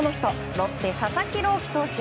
ロッテ、佐々木朗希投手。